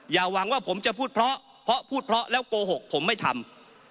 อย่าหวังว่าผมจะพูดเพราะเพราะพูดเพราะแล้วโกหกผมไม่ทำ